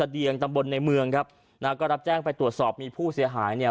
เดียงตำบลในเมืองครับนะฮะก็รับแจ้งไปตรวจสอบมีผู้เสียหายเนี่ย